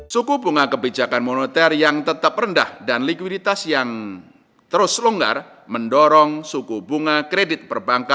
suku bunga kebijakan moneter yang tetap rendah dan likuiditas yang terus longgar mendorong suku bunga kredit perbankan